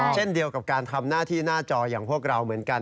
เช่นเดียวกับการทำหน้าที่หน้าจออย่างพวกเราเหมือนกัน